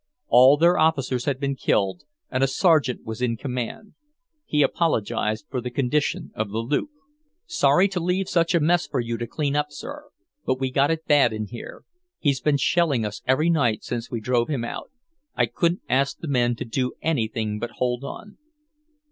All their officers had been killed, and a sergeant was in command. He apologized for the condition of the loop. "Sorry to leave such a mess for you to clean up, sir, but we got it bad in here. He's been shelling us every night since we drove him out. I couldn't ask the men to do anything but hold on."